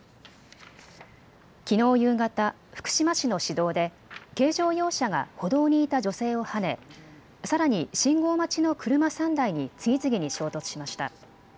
きのう夕方、福島市の市道で軽乗用車が歩道にいた女性をはねさらに信号待ちの車３台に次々に衝突しました。